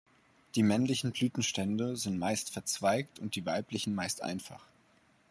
Die männlichen Blütenstände sind meist verzweigt und die weiblichen meist einfach.